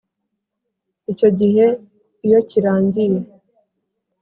Icyo gihe iyo kirangiye